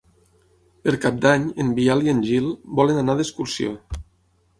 Per Cap d'Any en Biel i en Gil volen anar d'excursió.